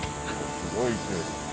すごい勢い。